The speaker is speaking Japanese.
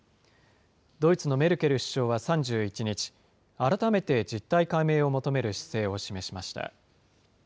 ドイツのメルケル首相は３１日、改めて実態解明を求める姿勢を示しました。